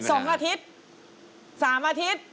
๒อาทิตย์๓อาทิตย์